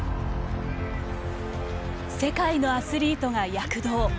世界のアスリートが躍動。